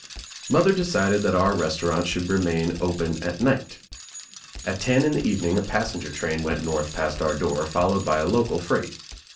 Mother decided that our restaurant should remain open at night. At ten in the evening a passenger train went north past our door followed by a local freight.